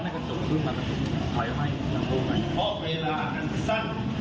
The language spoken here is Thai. เพราะเวลากันสั้น